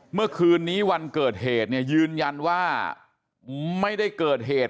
เมื่อคืนนี้วันเกิดเหตุเนี่ยยืนยันว่าไม่ได้เกิดเหตุ